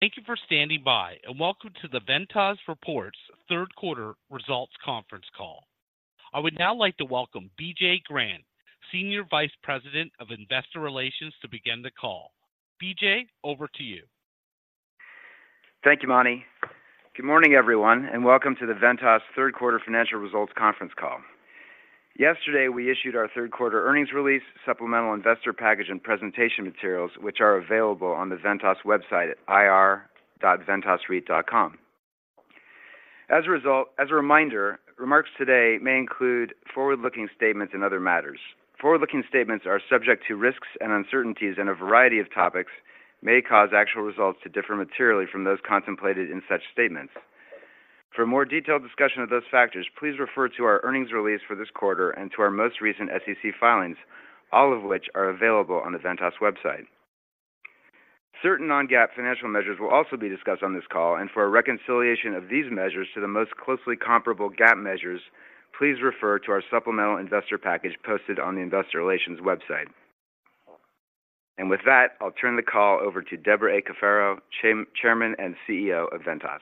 Thank you for standing by, and welcome to the Ventas reports third quarter results conference call. I would now like to welcome BJ Grant, Senior Vice President of Investor Relations, to begin the call. BJ, over to you. Thank you, Manny. Good morning, everyone, and welcome to the Ventas third quarter financial results conference call. Yesterday, we issued our third quarter earnings release, supplemental investor package, and presentation materials, which are available on the Ventas website at ir.ventasreit.com. As a reminder, remarks today may include forward-looking statements and other matters. Forward-looking statements are subject to risks and uncertainties, and a variety of topics may cause actual results to differ materially from those contemplated in such statements. For a more detailed discussion of those factors, please refer to our earnings release for this quarter and to our most recent SEC filings, all of which are available on the Ventas website. Certain non-GAAP financial measures will also be discussed on this call, and for a reconciliation of these measures to the most closely comparable GAAP measures, please refer to our supplemental investor package posted on the Investor Relations website. With that, I'll turn the call over to Debra A. Cafaro, Chairman and CEO of Ventas.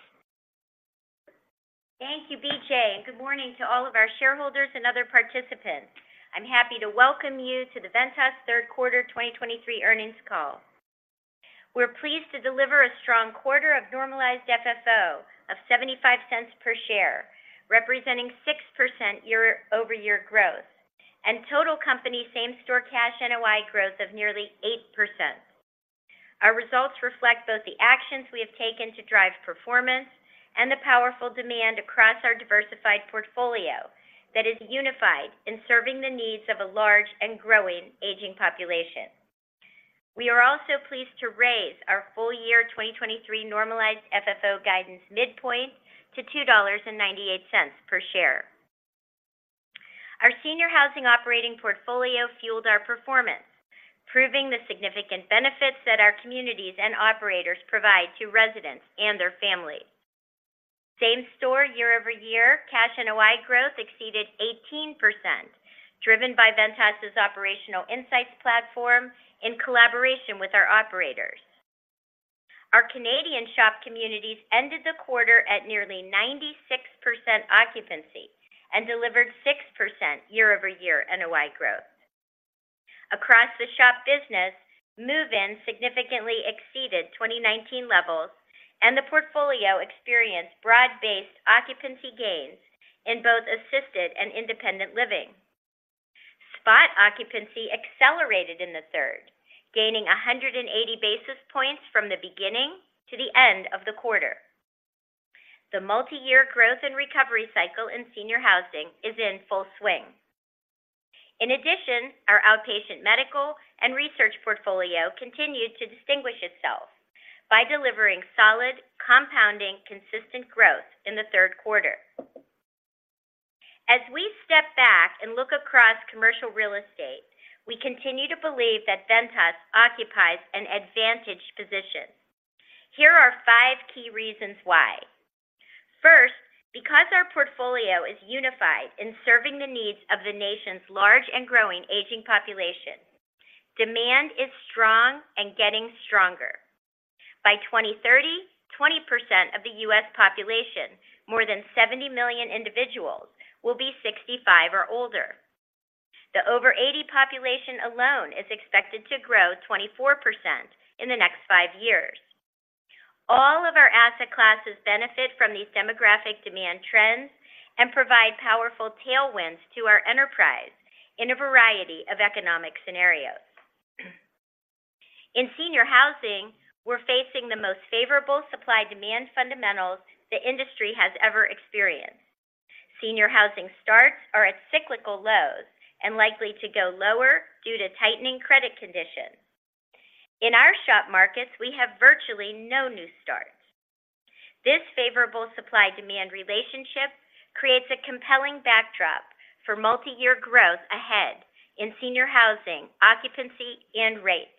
Thank you, BJ, and good morning to all of our shareholders and other participants. I'm happy to welcome you to the Ventas third quarter 2023 earnings call. We're pleased to deliver a strong quarter of normalized FFO of $0.75 per share, representing 6% year-over-year growth, and total company Same-Store cash NOI growth of nearly 8%. Our results reflect both the actions we have taken to drive performance and the powerful demand across our diversified portfolio that is unified in serving the needs of a large and growing aging population. We are also pleased to raise our full-year 2023 normalized FFO guidance midpoint to $2.98 per share. Our senior housing operating portfolio fueled our performance, proving the significant benefits that our communities and operators provide to residents and their families. Same-store year-over-year cash NOI growth exceeded 18%, driven by Ventas's operational insights platform in collaboration with our operators. Our Canadian SHOP communities ended the quarter at nearly 96% occupancy and delivered 6% year-over-year NOI growth. Across the SHOP business, move-in significantly exceeded 2019 levels, and the portfolio experienced broad-based occupancy gains in both assisted and independent living. Spot occupancy accelerated in the third, gaining 180 basis points from the beginning to the end of the quarter. The multi-year growth and recovery cycle in senior housing is in full swing. In addition, our outpatient medical and research portfolio continued to distinguish itself by delivering solid, compounding, consistent growth in the third quarter. As we step back and look across commercial real estate, we continue to believe that Ventas occupies an advantaged position. Here are five key reasons why: First, because our portfolio is unified in serving the needs of the nation's large and growing aging population, demand is strong and getting stronger. By 2030, 20% of the U.S. population, more than 70 million individuals, will be 65 or older. The over 80 population alone is expected to grow 24% in the next 5 years. All of our asset classes benefit from these demographic demand trends and provide powerful tailwinds to our enterprise in a variety of economic scenarios. In senior housing, we're facing the most favorable supply-demand fundamentals the industry has ever experienced. Senior housing starts are at cyclical lows and likely to go lower due to tightening credit conditions. In our SHOP markets, we have virtually no new starts. This favorable supply-demand relationship creates a compelling backdrop for multi-year growth ahead in senior housing, occupancy, and rates,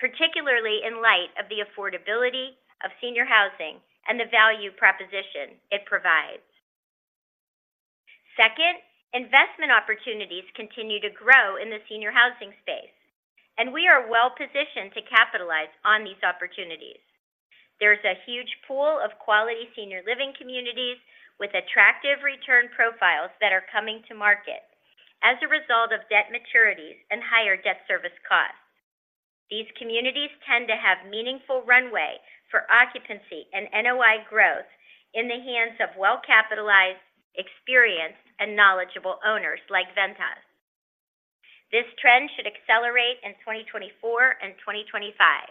particularly in light of the affordability of senior housing and the value proposition it provides. Second, investment opportunities continue to grow in the senior housing space, and we are well positioned to capitalize on these opportunities. There's a huge pool of quality senior living communities with attractive return profiles that are coming to market as a result of debt maturities and higher debt service costs. These communities tend to have meaningful runway for occupancy and NOI growth in the hands of well-capitalized, experienced, and knowledgeable owners like Ventas. This trend should accelerate in 2024 and 2025.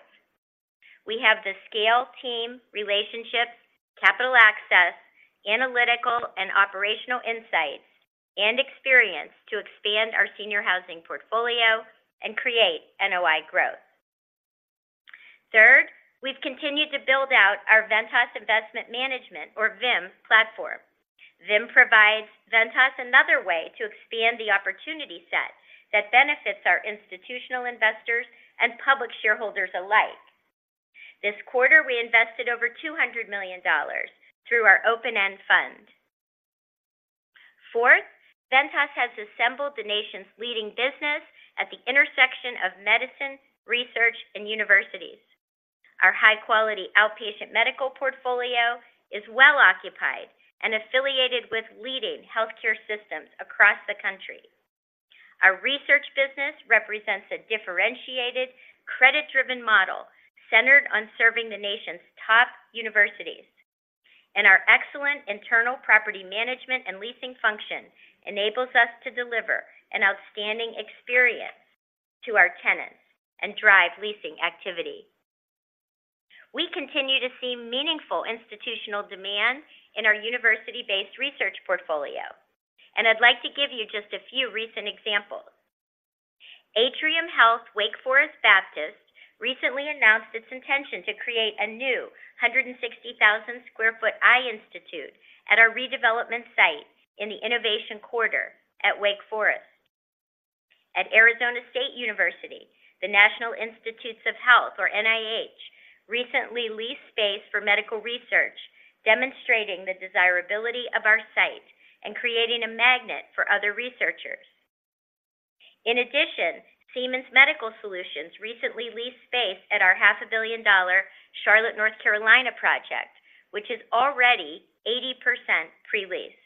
We have the scale, team, relationships, capital access, analytical and operational insights, and experience to expand our senior housing portfolio and create NOI growth. Third, we've continued to build out our Ventas Investment Management, or VIM, platform. VIM provides Ventas another way to expand the opportunity set that benefits our institutional investors and public shareholders alike. This quarter, we invested over $200 million through our open-end fund. Fourth, Ventas has assembled the nation's leading business at the intersection of medicine, research, and universities. Our high-quality outpatient medical portfolio is well occupied and affiliated with leading healthcare systems across the country. Our research business represents a differentiated, credit-driven model centered on serving the nation's top universities. And our excellent internal property management and leasing function enables us to deliver an outstanding experience to our tenants and drive leasing activity. We continue to see meaningful institutional demand in our university-based research portfolio, and I'd like to give you just a few recent examples. Atrium Health Wake Forest Baptist recently announced its intention to create a new 160,000 sq ft eye institute at our redevelopment site in the Innovation Quarter at Wake Forest. At Arizona State University, the National Institutes of Health, or NIH, recently leased space for medical research, demonstrating the desirability of our site and creating a magnet for other researchers. In addition, Siemens Medical Solutions recently leased space at our $500 million Charlotte, North Carolina, project, which is already 80% pre-leased.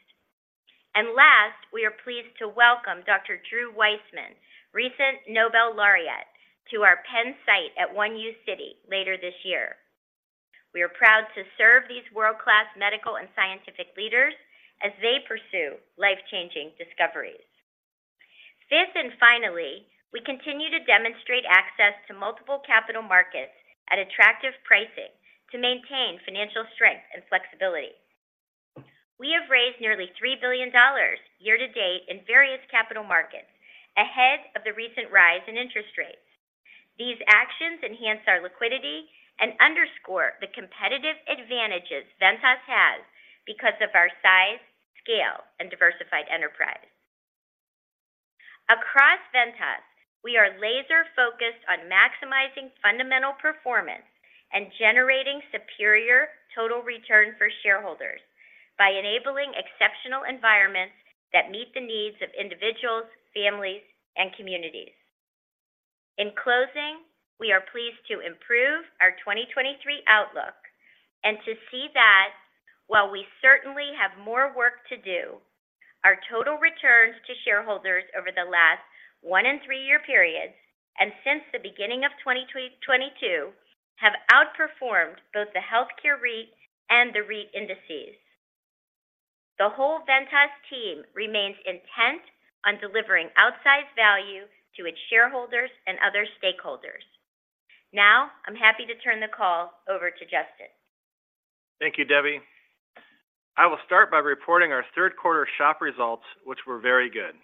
And last, we are pleased to welcome Dr. Drew Weissman, recent Nobel laureate, to our Penn site at One uCity later this year. We are proud to serve these world-class medical and scientific leaders as they pursue life-changing discoveries. Fifth, and finally, we continue to demonstrate access to multiple capital markets at attractive pricing to maintain financial strength and flexibility. We have raised nearly $3 billion year to date in various capital markets ahead of the recent rise in interest rates. These actions enhance our liquidity and underscore the competitive advantages Ventas has because of our size, scale, and diversified enterprise. Across Ventas, we are laser-focused on maximizing fundamental performance and generating superior total return for shareholders by enabling exceptional environments that meet the needs of individuals, families, and communities. In closing, we are pleased to improve our 2023 outlook and to see that while we certainly have more work to do, our total returns to shareholders over the last 1- and 3-year periods, and since the beginning of 2022, have outperformed both the healthcare REIT and the REIT indices. The whole Ventas team remains intent on delivering outsized value to its shareholders and other stakeholders. Now, I'm happy to turn the call over to Justin. Thank you, Debbie. I will start by reporting our third quarter SHOP results, which were very good.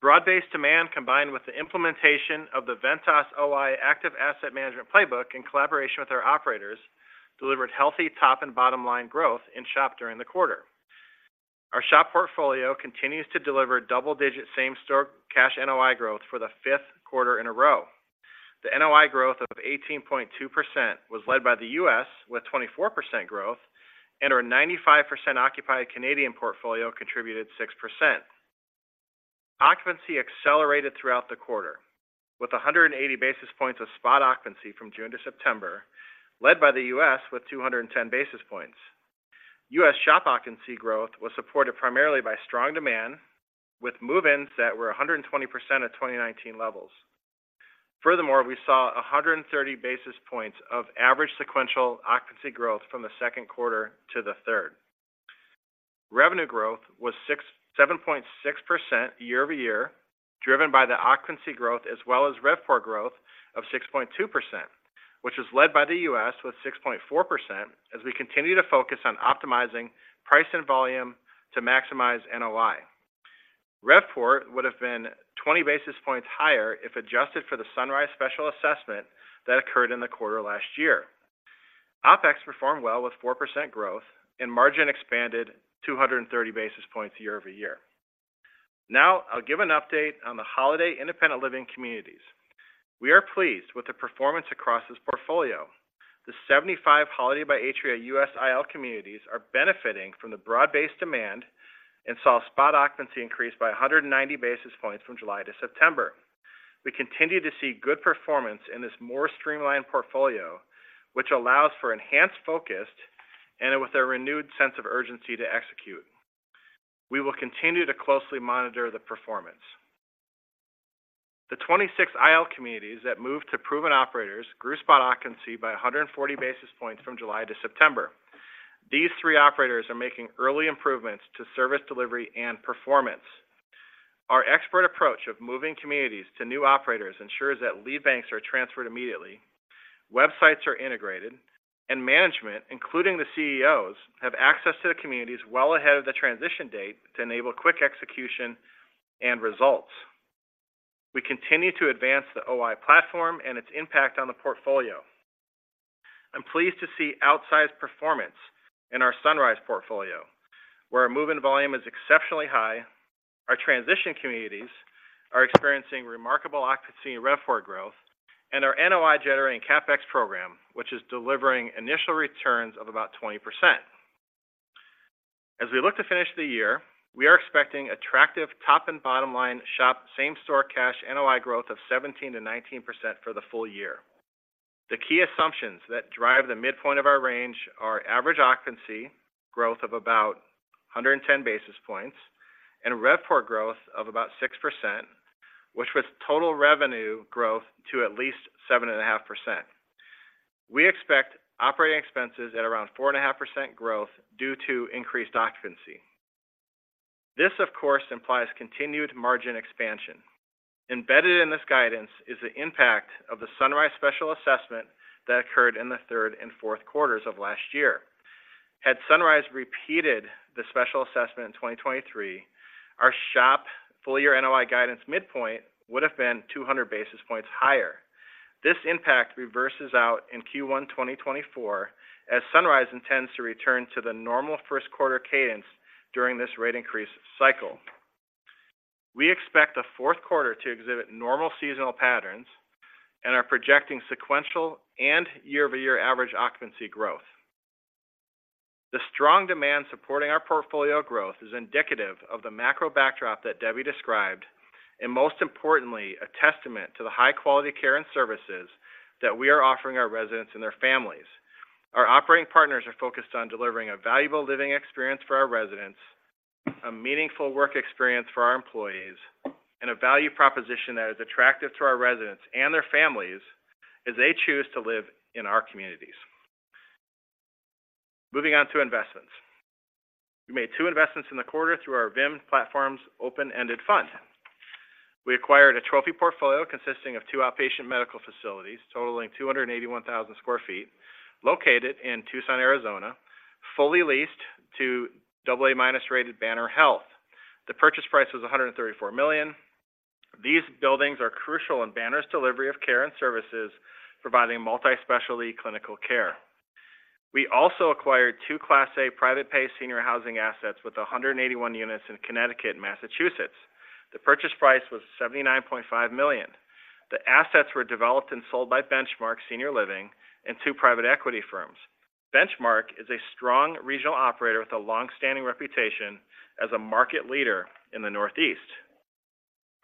Broad-based demand, combined with the implementation of the Ventas OI active asset management playbook in collaboration with our operators, delivered healthy top and bottom line growth in SHOP during the quarter. Our SHOP portfolio continues to deliver double-digit same-store cash NOI growth for the fifth quarter in a row. The NOI growth of 18.2% was led by the U.S., with 24% growth, and our 95% occupied Canadian portfolio contributed 6%. Occupancy accelerated throughout the quarter, with 180 basis points of spot occupancy from June to September, led by the U.S. with 210 basis points. U.S. SHOP occupancy growth was supported primarily by strong demand, with move-ins that were 120% of 2019 levels. Furthermore, we saw 130 basis points of average sequential occupancy growth from the second quarter to the third. Revenue growth was 7.6% year-over-year, driven by the occupancy growth as well as RevPOR growth of 6.2%, which was led by the US with 6.4%, as we continue to focus on optimizing price and volume to maximize NOI. RevPOR would have been 20 basis points higher if adjusted for the Sunrise special assessment that occurred in the quarter last year. OpEx performed well with 4% growth, and margin expanded 230 basis points year-over-year. Now, I'll give an update on the Holiday independent living communities. We are pleased with the performance across this portfolio. The 75 Holiday by Atria U.S. IL communities are benefiting from the broad-based demand and saw spot occupancy increase by 190 basis points from July to September. We continue to see good performance in this more streamlined portfolio, which allows for enhanced focus and with a renewed sense of urgency to execute. We will continue to closely monitor the performance. The 26 IL communities that moved to proven operators grew spot occupancy by 140 basis points from July to September. These three operators are making early improvements to service, delivery, and performance. Our expert approach of moving communities to new operators ensures that lead banks are transferred immediately, websites are integrated, and management, including the CEOs, have access to the communities well ahead of the transition date to enable quick execution and results. We continue to advance the OI platform and its impact on the portfolio. I'm pleased to see outsized performance in our Sunrise portfolio, where our move-in volume is exceptionally high. Our transition communities are experiencing remarkable occupancy and RevPOR growth, and our NOI generating CapEx program, which is delivering initial returns of about 20%. As we look to finish the year, we are expecting attractive top and bottom line SHOP same-store cash NOI growth of 17%-19% for the full year. The key assumptions that drive the midpoint of our range are average occupancy, growth of about 110 basis points, and RevPOR growth of about 6%, which was total revenue growth to at least 7.5%. We expect operating expenses at around 4.5% growth due to increased occupancy. This, of course, implies continued margin expansion. Embedded in this guidance is the impact of the Sunrise special assessment that occurred in the third and fourth quarters of last year. Had Sunrise repeated the special assessment in 2023, our SHOP full year NOI guidance midpoint would have been 200 basis points higher. This impact reverses out in Q1 2024, as Sunrise intends to return to the normal first quarter cadence during this rate increase cycle. We expect the fourth quarter to exhibit normal seasonal patterns and are projecting sequential and year-over-year average occupancy growth. The strong demand supporting our portfolio growth is indicative of the macro backdrop that Debbie described, and most importantly, a testament to the high quality care and services that we are offering our residents and their families. Our operating partners are focused on delivering a valuable living experience for our residents, a meaningful work experience for our employees, and a value proposition that is attractive to our residents and their families as they choose to live in our communities. Moving on to investments. We made two investments in the quarter through our VIM platform's open-ended fund. We acquired a trophy portfolio consisting of two outpatient medical facilities, totaling 281,000 sq ft, located in Tucson, Arizona, fully leased to AA- rated Banner Health. The purchase price was $134 million. These buildings are crucial in Banner's delivery of care and services, providing multi-specialty clinical care. We also acquired two Class A private pay senior housing assets with 181 units in Connecticut and Massachusetts. The purchase price was $79.5 million. The assets were developed and sold by Benchmark Senior Living and two private equity firms. Benchmark is a strong regional operator with a long-standing reputation as a market leader in the Northeast.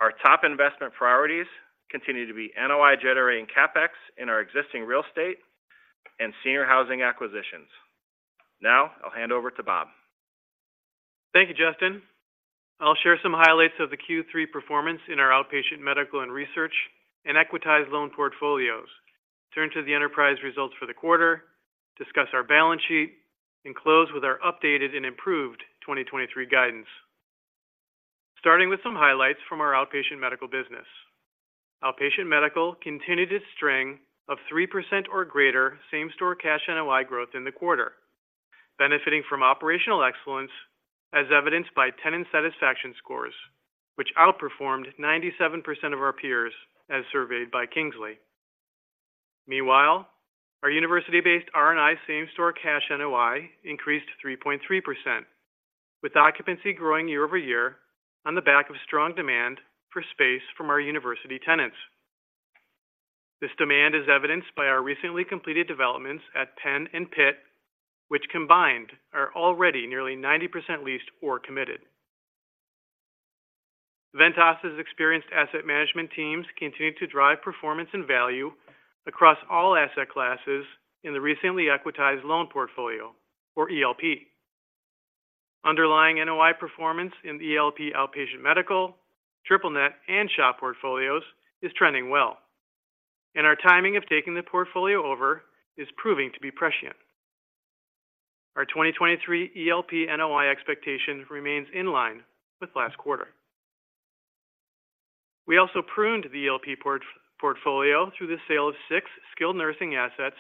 Our top investment priorities continue to be NOI generating CapEx in our existing real estate and senior housing acquisitions. Now, I'll hand over to Bob. Thank you, Justin. I'll share some highlights of the Q3 performance in our outpatient medical and research and equitized loan portfolios, turn to the enterprise results for the quarter, discuss our balance sheet, and close with our updated and improved 2023 guidance. Starting with some highlights from our outpatient medical business. Outpatient medical continued its string of 3% or greater same-store cash NOI growth in the quarter, benefiting from operational excellence, as evidenced by tenant satisfaction scores, which outperformed 97% of our peers as surveyed by Kingsley. Meanwhile, our university-based R&I same-store cash NOI increased 3.3%, with occupancy growing year-over-year on the back of strong demand for space from our university tenants. This demand is evidenced by our recently completed developments at Penn and Pitt, which combined, are already nearly 90% leased or committed. Ventas's experienced asset management teams continue to drive performance and value across all asset classes in the recently equitized loan portfolio or ELP. Underlying NOI performance in the ELP outpatient medical, Triple Net, and SHOP portfolios is trending well, and our timing of taking the portfolio over is proving to be prescient. Our 2023 ELP NOI expectation remains in line with last quarter. We also pruned the ELP portfolio through the sale of six skilled nursing assets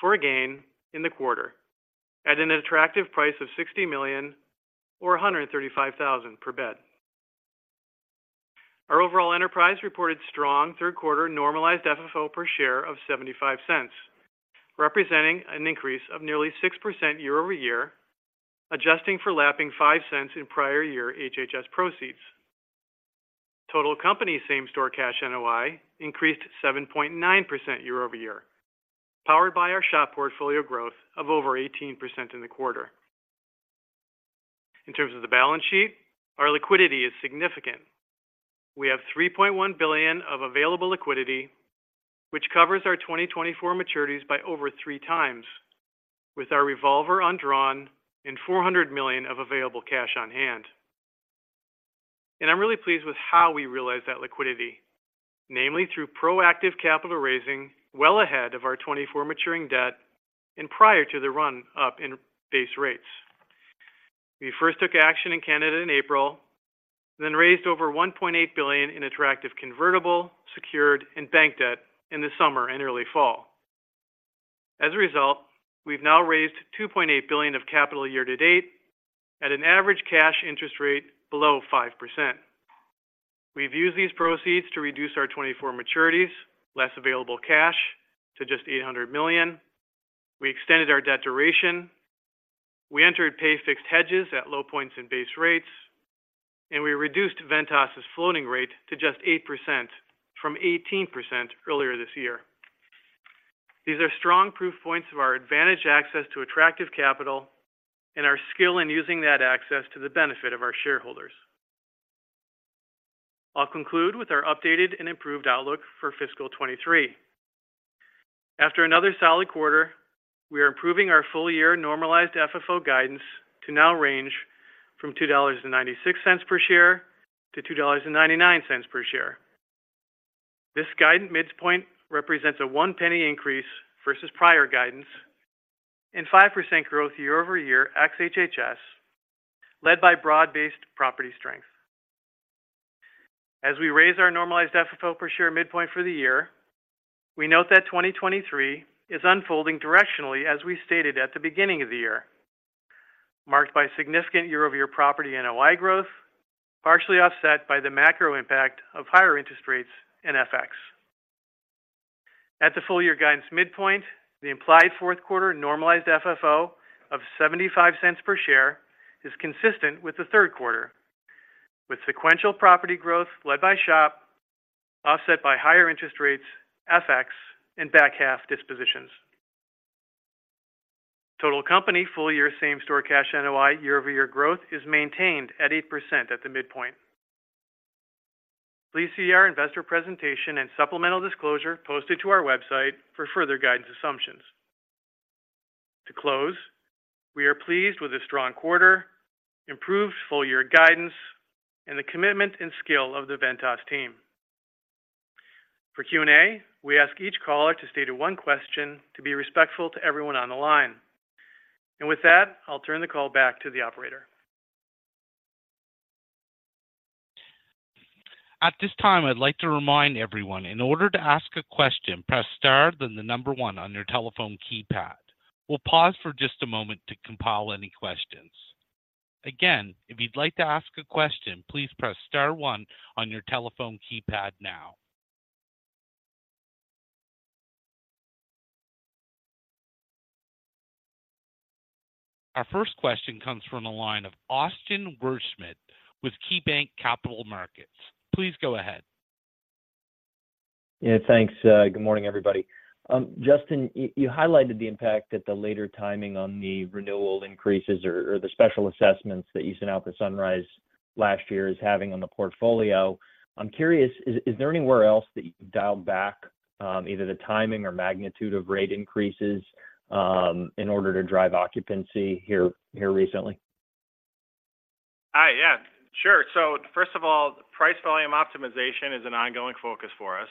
for a gain in the quarter at an attractive price of $60 million or 135,000 per bed. Our overall enterprise reported strong third quarter normalized FFO per share of $0.75, representing an increase of nearly 6% year-over-year, adjusting for lapping $0.05 in prior year HHS proceeds. Total company same-store cash NOI increased 7.9% year-over-year, powered by our SHOP portfolio growth of over 18% in the quarter. In terms of the balance sheet, our liquidity is significant. We have $3.1 billion of available liquidity, which covers our 2024 maturities by over 3 times, with our revolver undrawn and $400 million of available cash on hand. I'm really pleased with how we realize that liquidity, namely through proactive capital raising, well ahead of our 2024 maturing debt and prior to the run-up in base rates. We first took action in Canada in April, then raised over $1.8 billion in attractive convertible, secured, and bank debt in the summer and early fall. As a result, we've now raised $2.8 billion of capital year to date at an average cash interest rate below 5%. We've used these proceeds to reduce our 2024 maturities, less available cash to just $800 million. We extended our debt duration. We entered pay fixed hedges at low points in base rates, and we reduced Ventas' floating rate to just 8% from 18% earlier this year. These are strong proof points of our advantage access to attractive capital and our skill in using that access to the benefit of our shareholders. I'll conclude with our updated and improved outlook for fiscal 2023. After another solid quarter, we are improving our full-year normalized FFO guidance to now range from $2.96 per share to $2.99 per share. This guidance midpoint represents a $0.01 increase versus prior guidance and 5% growth year-over-year ex-HHS, led by broad-based property strength. As we raise our normalized FFO per share midpoint for the year, we note that 2023 is unfolding directionally, as we stated at the beginning of the year, marked by significant year-over-year property NOI growth, partially offset by the macro impact of higher interest rates in FX. At the full year guidance midpoint, the implied fourth quarter normalized FFO of $0.75 per share is consistent with the third quarter, with sequential property growth led by SHOP, offset by higher interest rates, FX, and back half dispositions. Total company full year same-store cash NOI year-over-year growth is maintained at 8% at the midpoint. Please see our investor presentation and supplemental disclosure posted to our website for further guidance assumptions. To close, we are pleased with the strong quarter, improved full year guidance, and the commitment and skill of the Ventas team. For Q&A, we ask each caller to state one question to be respectful to everyone on the line. With that, I'll turn the call back to the operator. At this time, I'd like to remind everyone, in order to ask a question, press Star, then the number one on your telephone keypad. We'll pause for just a moment to compile any questions. Again, if you'd like to ask a question, please press Star one on your telephone keypad now. Our first question comes from the line of Austin Wurschmidt with KeyBanc Capital Markets. Please go ahead. Yeah, thanks. Good morning, everybody. Justin, you highlighted the impact that the later timing on the renewal increases or the special assessments that you sent out for Sunrise last year is having on the portfolio. I'm curious, is there anywhere else that you've dialed back either the timing or magnitude of rate increases in order to drive occupancy here recently? Hi. Yeah, sure. So first of all, price volume optimization is an ongoing focus for us.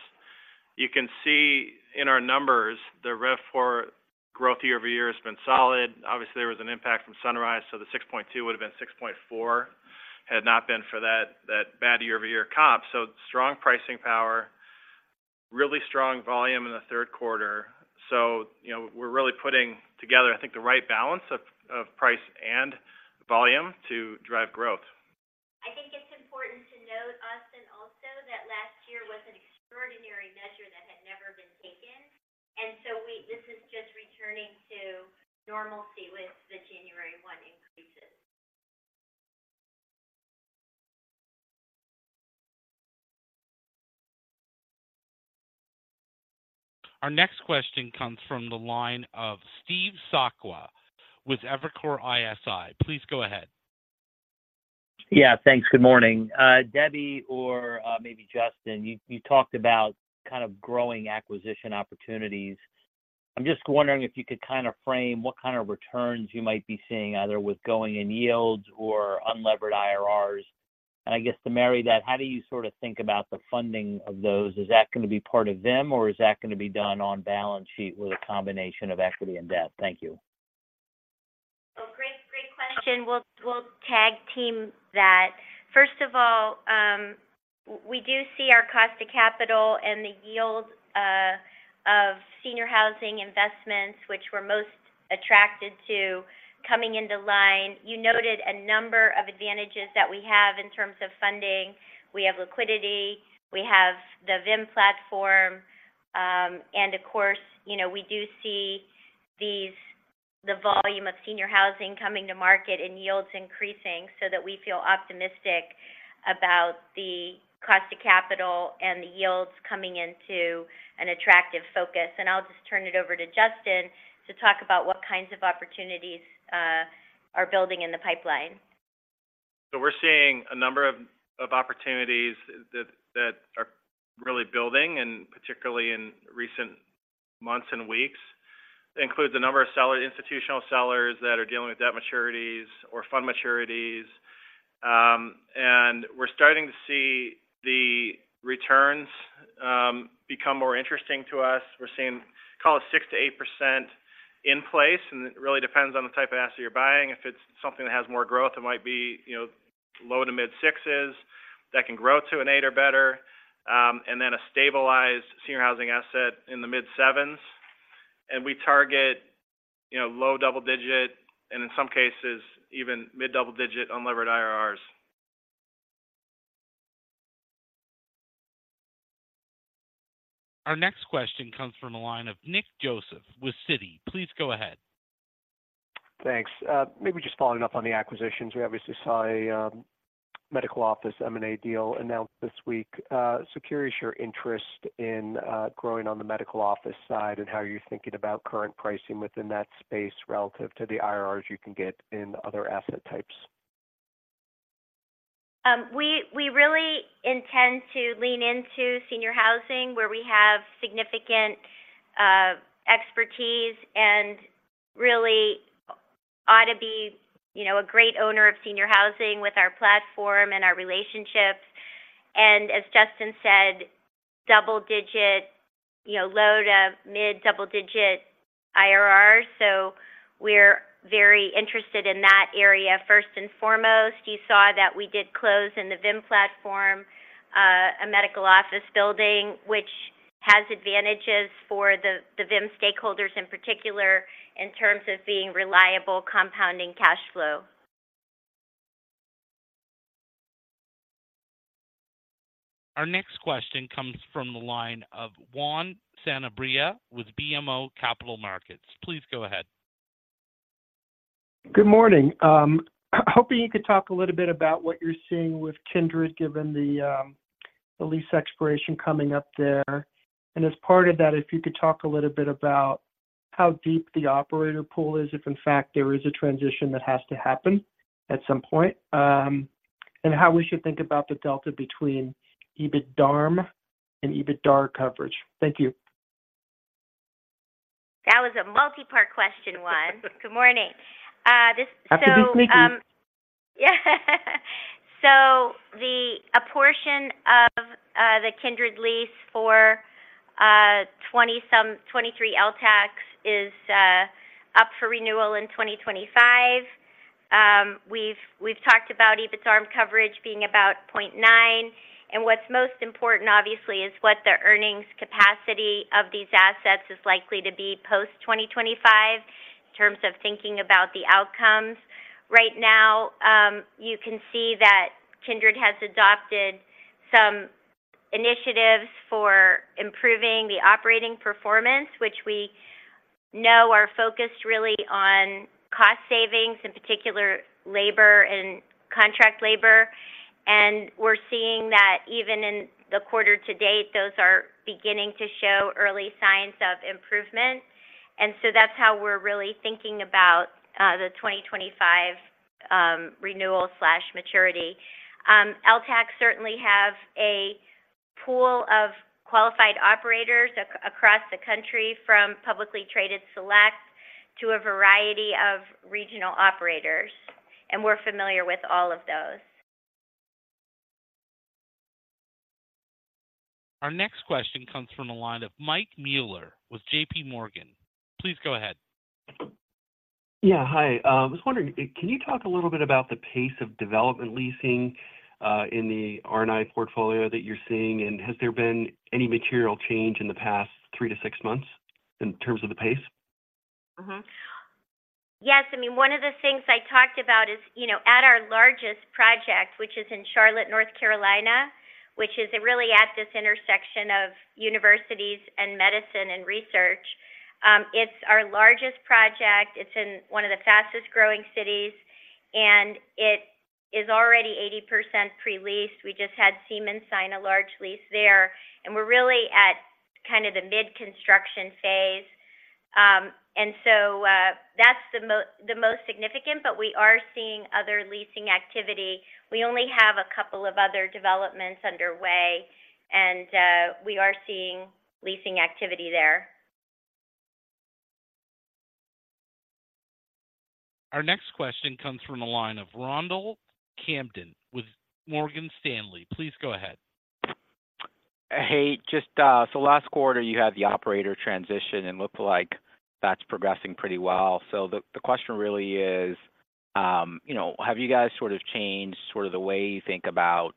You can see in our numbers, the RevPOR growth year-over-year has been solid. Obviously, there was an impact from Sunrise, so the 6.2 would have been 6.4, had not been for that, that bad year-over-year comp. So strong pricing power, really strong volume in the third quarter. So, you know, we're really putting together, I think, the right balance of, of price and volume to drive growth. I think it's important to note, Austin, also, that last year was an extraordinary measure that had never been taken, and so this is just returning to normalcy with the January 1 increases. Our next question comes from the line of Steve Sakwa with Evercore ISI. Please go ahead. Yeah, thanks. Good morning. Debbie, or maybe Justin, you, you talked about kind of growing acquisition opportunities. I'm just wondering if you could kind of frame what kind of returns you might be seeing, either with going in yields or unlevered IRRs. And I guess to marry that, how do you sort of think about the funding of those? Is that going to be part of them, or is that going to be done on balance sheet with a combination of equity and debt? Thank you. Oh, great, great question. We'll tag team that. First of all, we do see our cost of capital and the yield of senior housing investments, which we're most attracted to coming into line. You noted a number of advantages that we have in terms of funding. We have liquidity, we have the VIM platform, and of course, you know, we do see these the volume of senior housing coming to market and yields increasing so that we feel optimistic about the cost of capital and the yields coming into an attractive focus. And I'll just turn it over to Justin to talk about what kinds of opportunities are building in the pipeline. So we're seeing a number of opportunities that are really building, and particularly in recent months and weeks. Includes a number of seller institutional sellers that are dealing with debt maturities or fund maturities. And we're starting to see the returns become more interesting to us. We're seeing, call it 6%-8% in place, and it really depends on the type of asset you're buying. If it's something that has more growth, it might be, you know, low- to mid-6% that can grow to an 8% or better, and then a stabilized senior housing asset in the mid-7%. And we target, you know, low double digit, and in some cases, even mid double digit unlevered IRRs. Our next question comes from the line of Nick Joseph with Citi. Please go ahead. Thanks. Maybe just following up on the acquisitions. We obviously saw a medical office M&A deal announced this week. So curious your interest in growing on the medical office side, and how you're thinking about current pricing within that space relative to the IRRs you can get in other asset types. We really intend to lean into senior housing, where we have significant expertise and really ought to be, you know, a great owner of senior housing with our platform and our relationships. And as Justin said, double digit, you know, low to mid double digit IRR, so we're very interested in that area. First and foremost, you saw that we did close in the VIM platform a medical office building, which has advantages for the VIM stakeholders in particular, in terms of being reliable, compounding cash flow. Our next question comes from the line of Juan Sanabria with BMO Capital Markets. Please go ahead. Good morning. Hoping you could talk a little bit about what you're seeing with Kindred, given the lease expiration coming up there. And as part of that, if you could talk a little bit about how deep the operator pool is, if in fact there is a transition that has to happen at some point, and how we should think about the delta between EBITDARM and EBITDA coverage. Thank you. That was a multi-part question, Juan. Good morning. Had to be sneaky. So a portion of the Kindred lease for 20-some, 23 LTACs is up for renewal in 2025. We've talked about EBITDA coverage being about 0.9, and what's most important, obviously, is what the earnings capacity of these assets is likely to be post-2025 in terms of thinking about the outcomes. Right now, you can see that Kindred has adopted some initiatives for improving the operating performance, which we know are focused really on cost savings, in particular, labor and contract labor. And we're seeing that even in the quarter to date, those are beginning to show early signs of improvement. And so that's how we're really thinking about the 2025 renewal slash maturity. LTACs certainly have a pool of qualified operators across the country, from publicly traded Select to a variety of regional operators, and we're familiar with all of those. Our next question comes from the line of Mike Mueller with JPMorgan. Please go ahead. Yeah. Hi. I was wondering, can you talk a little bit about the pace of development leasing in the R&I portfolio that you're seeing? And has there been any material change in the past 3-6 months in terms of the pace? Mm-hmm. Yes. I mean, one of the things I talked about is, you know, at our largest project, which is in Charlotte, North Carolina, which is really at this intersection of universities and medicine and research, it's our largest project. It's in one of the fastest growing cities, and it is already 80% pre-leased. We just had Siemens sign a large lease there, and we're really at kind of the mid-construction phase. And so, that's the most significant, but we are seeing other leasing activity. We only have a couple of other developments underway, and we are seeing leasing activity there. Our next question comes from the line of Ronald Kamdem with Morgan Stanley. Please go ahead. Hey, just, So last quarter, you had the operator transition, and it looked like that's progressing pretty well. So the, the question really is, you know, have you guys sort of changed sort of the way you think about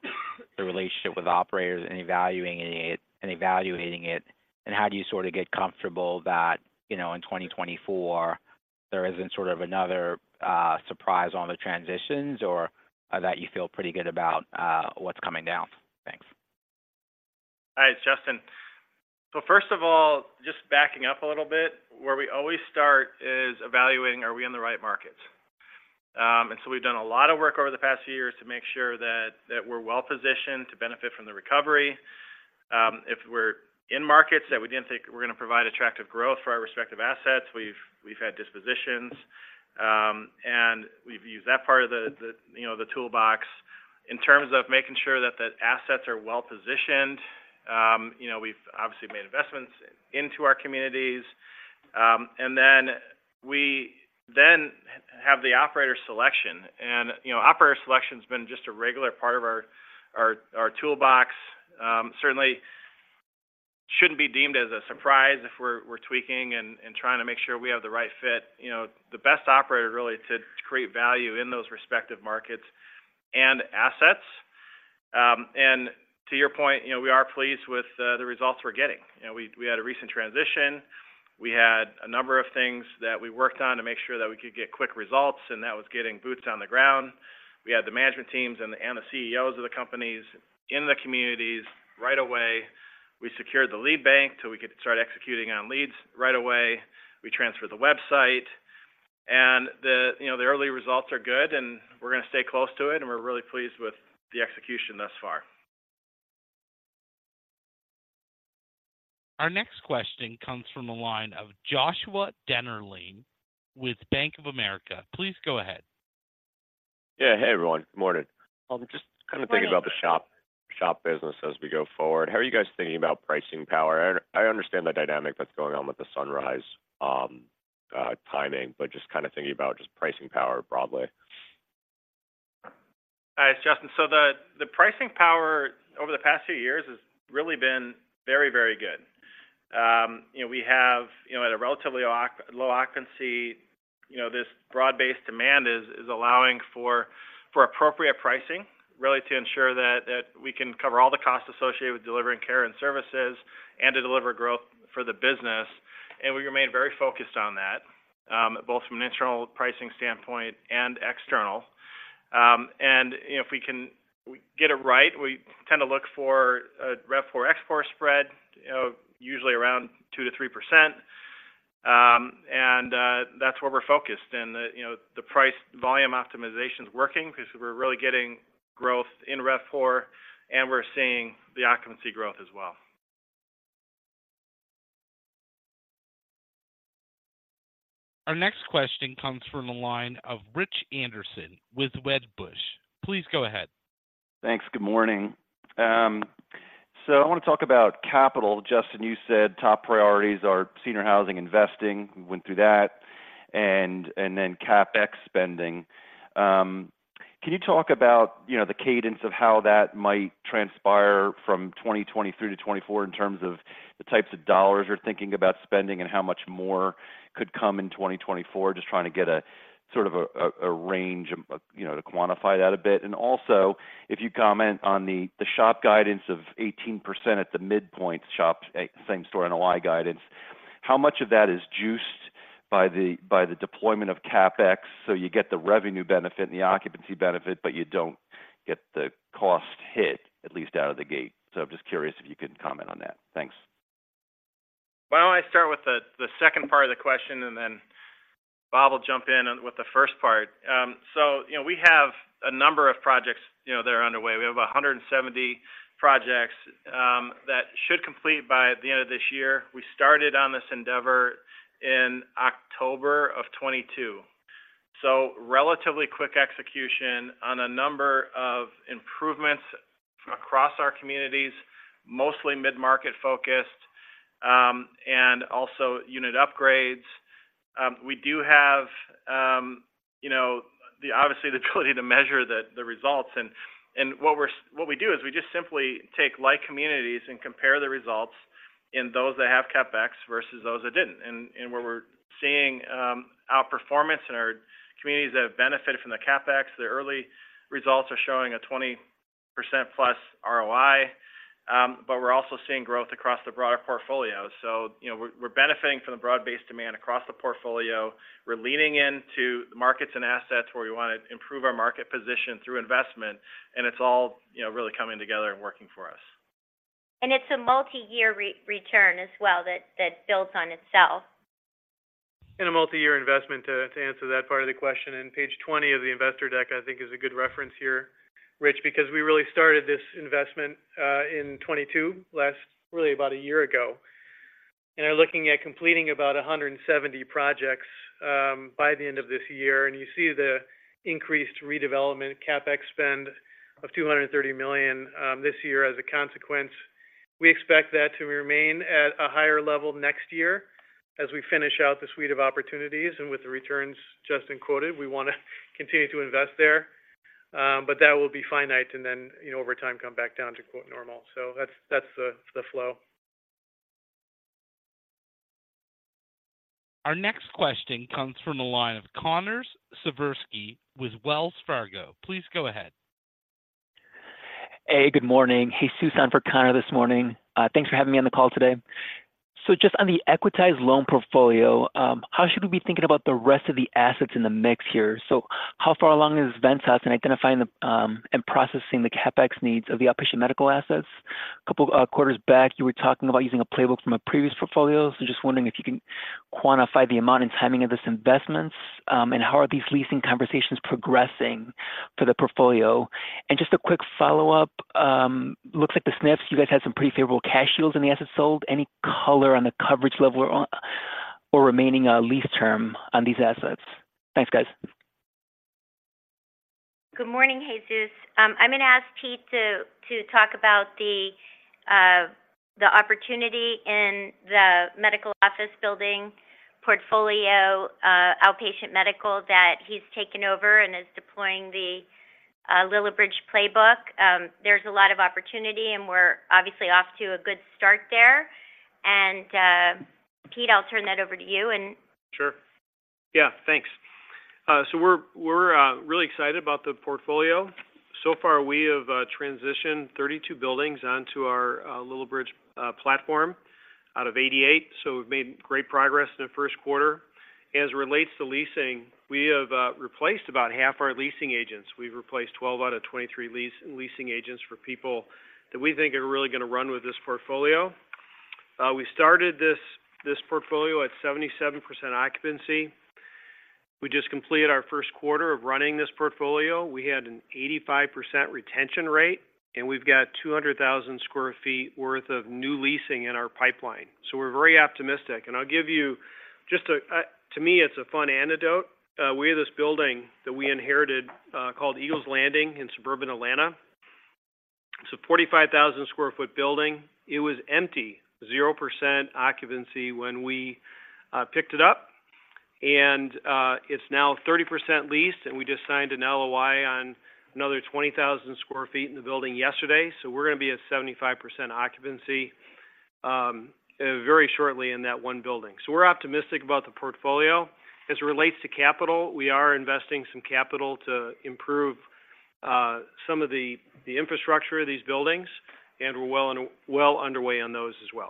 the relationship with operators and evaluating it, and evaluating it? And how do you sort of get comfortable that, you know, in 2024, there isn't sort of another surprise on the transitions or that you feel pretty good about what's coming down? Thanks. Hi, it's Justin. So first of all, just backing up a little bit, where we always start is evaluating, are we in the right markets? And so we've done a lot of work over the past few years to make sure that we're well positioned to benefit from the recovery. If we're in markets that we didn't think were going to provide attractive growth for our respective assets, we've had dispositions, and we've used that part of the toolbox. In terms of making sure that the assets are well-positioned, you know, we've obviously made investments into our communities, and then we have the operator selection. And, you know, operator selection has been just a regular part of our toolbox. Certainly shouldn't be deemed as a surprise if we're tweaking and trying to make sure we have the right fit, you know, the best operator really to create value in those respective markets and assets. And to your point, you know, we are pleased with the results we're getting. You know, we had a recent transition. We had a number of things that we worked on to make sure that we could get quick results, and that was getting boots on the ground. We had the management teams and the CEOs of the companies in the communities right away. We secured the lead bank, so we could start executing on leads right away. We transferred the website, and, you know, the early results are good, and we're going to stay close to it, and we're really pleased with the execution thus far. Our next question comes from the line of Joshua Dennerlein with Bank of America. Please go ahead. Yeah. Hey, everyone. Good morning. Just kind of thinking about the SHOP business as we go forward, how are you guys thinking about pricing power? I understand the dynamic that's going on with the Sunrise timing, but just kind of thinking about pricing power broadly. Hi, it's Justin. So the pricing power over the past few years has really been very, very good. You know, we have, you know, at a relatively low occupancy, you know, this broad-based demand is allowing for appropriate pricing, really to ensure that we can cover all the costs associated with delivering care and services, and to deliver growth for the business. And we remain very focused on that, both from an internal pricing standpoint and external. And, you know, if we can get it right, we tend to look for a RevPOR, ExpPOR spread, you know, usually around 2%-3%. And that's where we're focused. And the price volume optimization is working because we're really getting growth in RevPOR, and we're seeing the occupancy growth as well. Our next question comes from the line of Rich Anderson with Wedbush. Please go ahead. Thanks. Good morning. So I want to talk about capital. Justin, you said top priorities are senior housing investing. We went through that, and then CapEx spending. Can you talk about, you know, the cadence of how that might transpire from 2023 to 2024 in terms of the types of dollars you're thinking about spending and how much more could come in 2024? Just trying to get a sort of a range, you know, to quantify that a bit. And also, if you comment on the SHOP guidance of 18% at the midpoint, SHOP same-store NOI guidance, how much of that is juiced by the deployment of CapEx? So you get the revenue benefit and the occupancy benefit, but you don't get the cost hit, at least out of the gate. I'm just curious if you can comment on that. Thanks. Why don't I start with the second part of the question, and then Bob will jump in on with the first part? So, you know, we have a number of projects, you know, that are underway. We have 170 projects that should complete by the end of this year. We started on this endeavor in October of 2022. So relatively quick execution on a number of improvements across our communities, mostly mid-market focused, and also unit upgrades. We do have, you know, obviously, the ability to measure the results. And what we do is we just simply take like communities and compare the results in those that have CapEx versus those that didn't. Where we're seeing outperformance in our communities that have benefited from the CapEx, the early results are showing a 20%+ ROI, but we're also seeing growth across the broader portfolio. So, you know, we're benefiting from the broad-based demand across the portfolio. We're leaning into the markets and assets where we want to improve our market position through investment, and it's all, you know, really coming together and working for us. It's a multiyear return as well, that builds on itself. A multi-year investment, to answer that part of the question. In page 20 of the investor deck, I think, is a good reference here, Rich, because we really started this investment in 2022, really about a year ago, and are looking at completing about 170 projects by the end of this year. You see the increased redevelopment CapEx spend of $230 million this year as a consequence. We expect that to remain at a higher level next year as we finish out the suite of opportunities. With the returns Justin quoted, we want to continue to invest there, but that will be finite and then, you know, over time, come back down to, quote, "normal." So that's, that's the flow. Our next question comes from the line of Connor Siversky with Wells Fargo. Please go ahead. Hey, good morning. Jesus on for Connor this morning. Thanks for having me on the call today. So just on the equitized loan portfolio, how should we be thinking about the rest of the assets in the mix here? So how far along is Ventas in identifying the, and processing the CapEx needs of the outpatient medical assets? A couple quarters back, you were talking about using a playbook from a previous portfolio. So just wondering if you can quantify the amount and timing of these investments, and how are these leasing conversations progressing for the portfolio? And just a quick follow-up, looks like the SNFs, you guys had some pretty favorable cash yields in the assets sold. Any color on the coverage level or remaining lease term on these assets? Thanks, guys. Good morning, Jesus. I'm going to ask Pete to talk about the opportunity in the medical office building portfolio, outpatient medical, that he's taken over and is deploying the Lillibridge playbook. There's a lot of opportunity, and we're obviously off to a good start there. Pete, I'll turn that over to you and- Sure. Yeah, thanks. So we're really excited about the portfolio. So far, we have transitioned 32 buildings onto our Lillibridge platform out of 88. So we've made great progress in the first quarter. As it relates to leasing, we have replaced about half our leasing agents. We've replaced 12 out of 23 leasing agents for people that we think are really gonna run with this portfolio. We started this portfolio at 77% occupancy. We just completed our first quarter of running this portfolio. We had an 85% retention rate, and we've got 200,000 sq ft worth of new leasing in our pipeline. So we're very optimistic. And I'll give you just a, to me, it's a fun anecdote. We have this building that we inherited called Eagles Landing in suburban Atlanta. It's a 45,000 sq ft building. It was empty, 0% occupancy when we picked it up, and it's now 30% leased, and we just signed an LOI on another 20,000 sq ft in the building yesterday. So we're gonna be at 75% occupancy very shortly in that building. So we're optimistic about the portfolio. As it relates to capital, we are investing some capital to improve some of the infrastructure of these buildings, and we're well underway on those as well.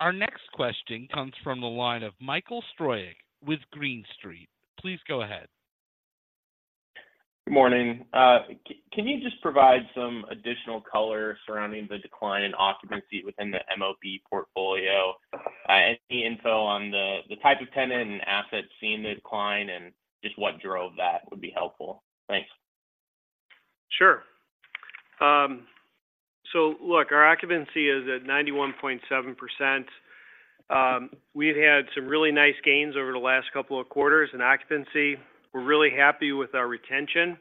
Our next question comes from the line of Michael Stroyeck with Green Street. Please go ahead. Good morning. Can you just provide some additional color surrounding the decline in occupancy within the MOB portfolio? Any info on the type of tenant and assets seeing the decline, and just what drove that would be helpful. Thanks. Sure. So look, our occupancy is at 91.7%. We've had some really nice gains over the last couple of quarters in occupancy. We're really happy with our retention.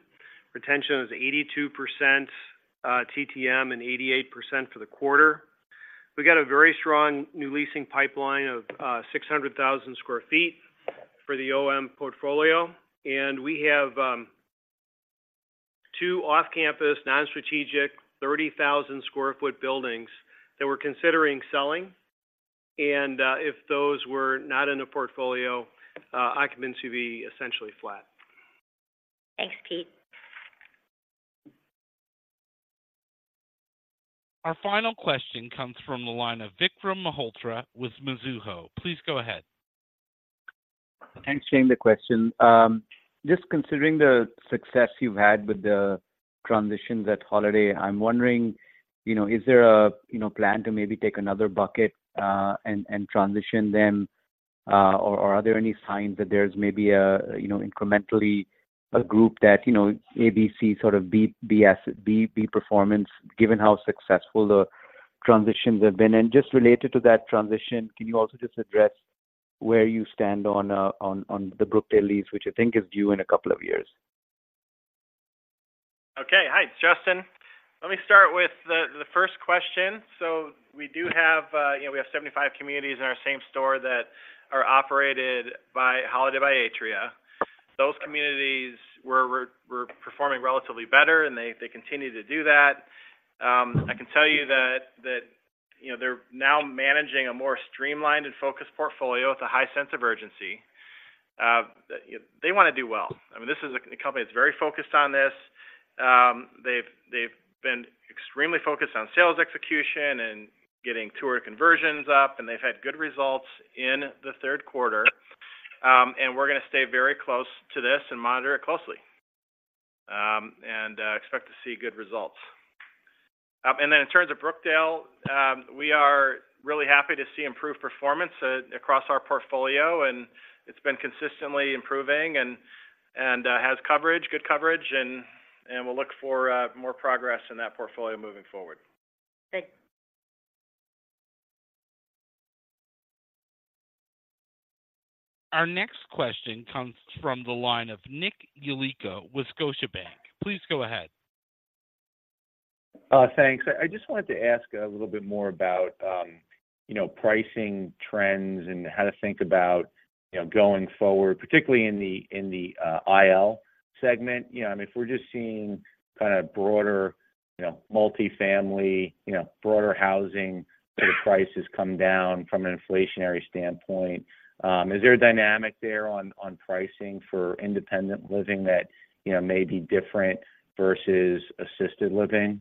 Retention is 82%, TTM and 88% for the quarter. We've got a very strong new leasing pipeline of 600,000 sq ft for the MOB portfolio, and we have two off-campus, non-strategic, 30,000 sq ft buildings that we're considering selling. And, if those were not in the portfolio, occupancy would be essentially flat. Thanks, Pete. Our final question comes from the line of Vikram Malhotra with Mizuho. Please go ahead. Thanks for taking the question. Just considering the success you've had with the transitions at Holiday, I'm wondering, you know, is there a, you know, plan to maybe take another bucket, and transition them, or are there any signs that there's maybe a, you know, incrementally a group that, you know, A, B, C, sort of B, B asset, B, B performance, given how successful the transitions have been? And just related to that transition, can you also just address where you stand on the Brookdale lease, which I think is due in a couple of years? Okay. Hi, it's Justin. Let me start with the first question. So we do have, you know, we have 75 communities in our same store that are operated by Holiday by Atria. Those communities were performing relatively better, and they continue to do that. I can tell you that, you know, they're now managing a more streamlined and focused portfolio with a high sense of urgency. They wanna do well. I mean, this is a company that's very focused on this. They've been extremely focused on sales execution and getting tour conversions up, and they've had good results in the third quarter. And we're gonna stay very close to this and monitor it closely, and expect to see good results. And then in terms of Brookdale, we are really happy to see improved performance across our portfolio, and it's been consistently improving and has good coverage, and we'll look for more progress in that portfolio moving forward. Thanks. Our next question comes from the line of Nick Yulico with Scotia Bank. Please go ahead. Thanks. I just wanted to ask a little bit more about, you know, pricing trends and how to think about, you know, going forward, particularly in the IL segment. You know, I mean, if we're just seeing kinda broader, you know, multifamily, you know, broader housing prices come down from an inflationary standpoint, is there a dynamic there on pricing for independent living that, you know, may be different versus assisted living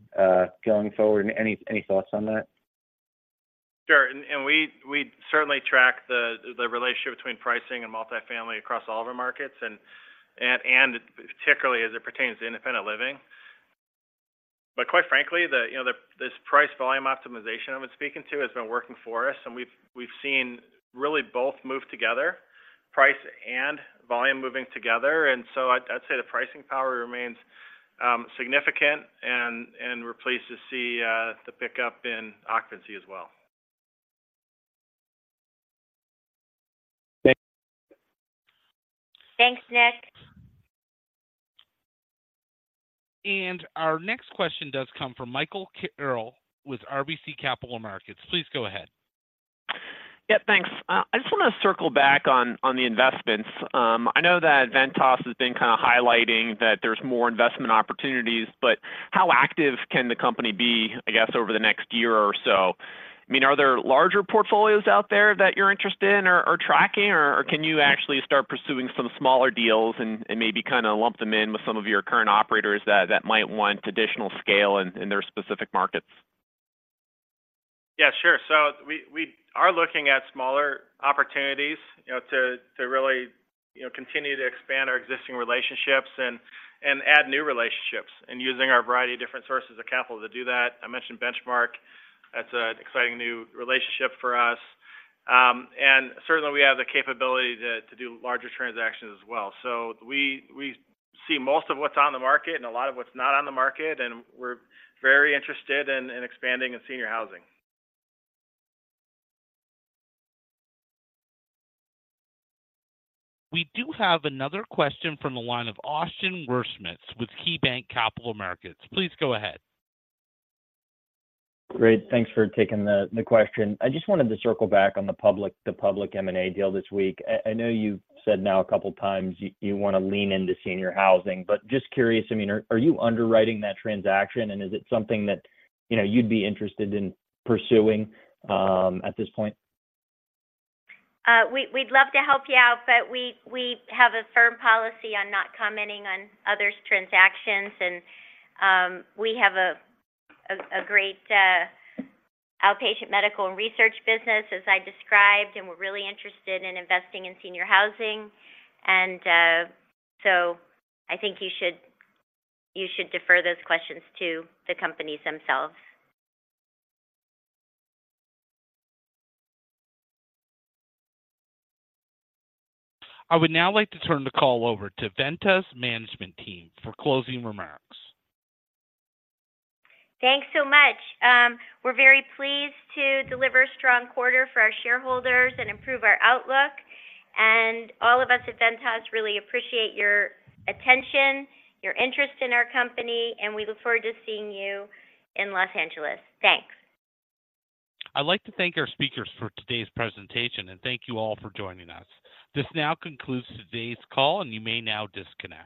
going forward? Any thoughts on that? Sure. And we certainly track the relationship between pricing and multifamily across all of our markets, and particularly as it pertains to independent living. But quite frankly, you know, this price-volume optimization I've been speaking to has been working for us, and we've seen really both move together, price and volume moving together. And so I'd say the pricing power remains significant, and we're pleased to see the pickup in occupancy as well. Thanks. Thanks, Nick. Our next question does come from Michael Carroll with RBC Capital Markets. Please go ahead. Yep, thanks. I just wanna circle back on the investments. I know that Ventas has been kind of highlighting that there's more investment opportunities, but how active can the company be, I guess, over the next year or so? I mean, are there larger portfolios out there that you're interested in or tracking, or can you actually start pursuing some smaller deals and maybe kind of lump them in with some of your current operators that might want additional scale in their specific markets? Yeah, sure. So we are looking at smaller opportunities, you know, to really, you know, continue to expand our existing relationships and add new relationships, and using our variety of different sources of capital to do that. I mentioned Benchmark. That's an exciting new relationship for us. And certainly we have the capability to do larger transactions as well. So we see most of what's on the market and a lot of what's not on the market, and we're very interested in expanding in senior housing. We do have another question from the line of Austin Wurschmidt with KeyBanc Capital Markets. Please go ahead. Great. Thanks for taking the question. I just wanted to circle back on the public M&A deal this week. I know you've said now a couple of times you want to lean into senior housing, but just curious, I mean, are you underwriting that transaction? And is it something that, you know, you'd be interested in pursuing at this point? We'd love to help you out, but we have a firm policy on not commenting on others' transactions. We have a great outpatient medical and research business, as I described, and we're really interested in investing in senior housing. So I think you should defer those questions to the companies themselves. I would now like to turn the call over to Ventas management team for closing remarks. Thanks so much. We're very pleased to deliver a strong quarter for our shareholders and improve our outlook. All of us at Ventas really appreciate your attention, your interest in our company, and we look forward to seeing you in Los Angeles. Thanks. I'd like to thank our speakers for today's presentation, and thank you all for joining us. This now concludes today's call, and you may now disconnect.